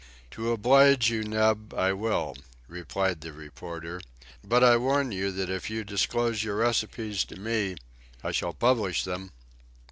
"To oblige you, Neb, I will," replied the reporter; "but I warn you that if you disclose your recipes to me, I shall publish them."